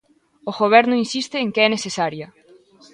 O Goberno insiste en que é necesaria.